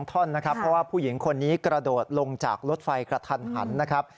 เพราะว่าผู้หญิงคนนี้กระโดดลงจากรถไฟกระทันหันนะครับ